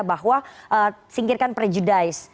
bahwa singkirkan prejudice